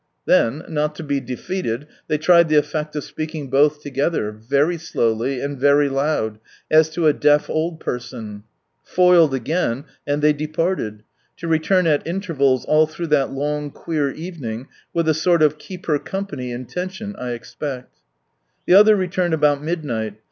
Then, not to be defeated, they tried the effect of speaking both together, very slowly, and very loud, as to a deaf old person : foiled again, and they departed ; to return at intervals all through that long queer evening, with a sort of " keep her company " intention, I expect. The other returned about midnight.